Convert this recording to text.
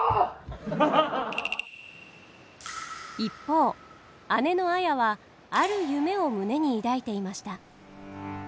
一方姉の綾はある夢を胸に抱いていました。